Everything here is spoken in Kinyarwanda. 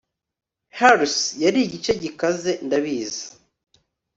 hers yari igice gikaze, ndabizi